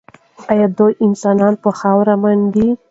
ایا دوی انسانان په خاورو منډي؟